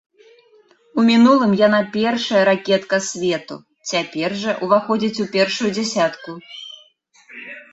У мінулым яна першая ракетка свету, цяпер жа ўваходзіць у першую дзясятку.